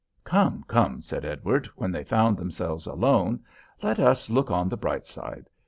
'" "Come, come," said Edward, when they found themselves alone, "let us look on the bright side.